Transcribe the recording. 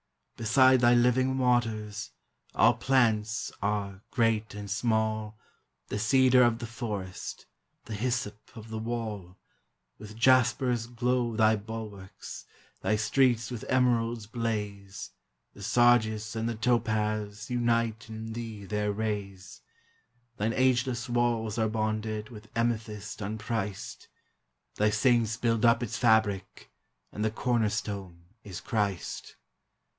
Beside thy living waters All plants are, great and small, The cedar of the forest, The hyssop of the wall ; With jaspers glow thy bulwarks, Thy streets with emeralds blaze, The sardius and the topaz Unite in thee their rays; Thine ageless walls are bonded With amethyst unpriced ; Thy Saints build up its fabric, And the corner stone is Christ.